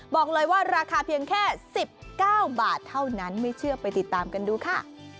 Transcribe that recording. บอกเลยว่าราคาเพียงแค่๑๙บาทเท่านั้นไม่เชื่อไปติดตามกันดูค่ะ